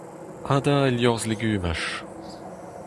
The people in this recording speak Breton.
Hadañ el liorzh legumaj.